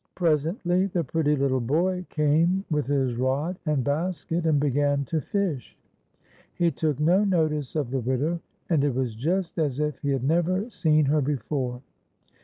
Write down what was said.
Presently the pretty little boy came with his rod and basket, and began to fish. He took no notice of the I40 TJFSY'S SILVER BELL. widow, and it was just as if he had never seen her before.